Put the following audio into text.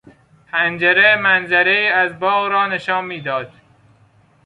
پنجره منظرهای از باغ را نشان میداد.